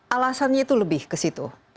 alasannya itu lebih ke situ